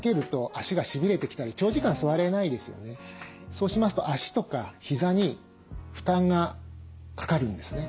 そうしますと脚とか膝に負担がかかるんですね。